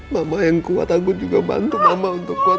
mama yang kuat aku juga bantu mama untuk kuat